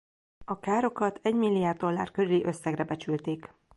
A károkat egymilliárd dollár körüli összegre becsülték.